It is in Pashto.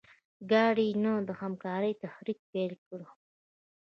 ګاندي د نه همکارۍ تحریک پیل کړ.